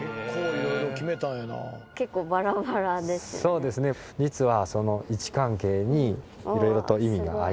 そうですね実は。